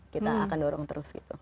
kita akan dorong terus gitu